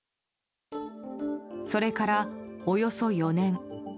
それからおよそ４年。